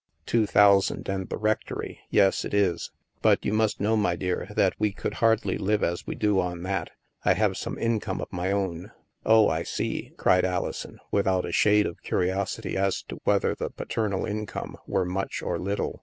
" Two thousand and the rectory ; yes, it is. But you must know, my dear, that we could hardly live as we do on that. I have some income of my own." " Oh, I see," cried Alison, without a shade of curiosity as to whether the paternal income were much or little.